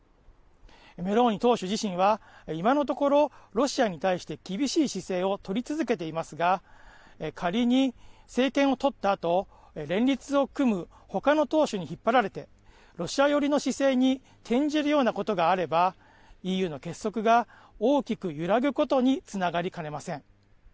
メローニ党首自身は今のところ、ロシアに対して厳しい姿勢を取り続けていますが、仮に政権を取ったあと、連立を組むほかの党首に引っ張られて、ロシア寄りの姿勢に転じるようなことがあれば、ＥＵの結束が大きく揺らぐことにつながりかねません。